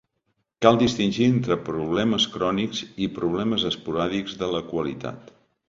Cal distingir entre problemes crònics i problemes esporàdics de la qualitat.